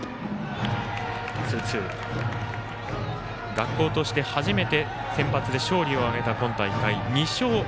学校として初めてセンバツで勝利を挙げた今大会、２勝。